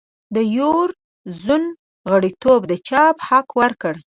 د یورو زون غړیتوب د چاپ حق ورکوي.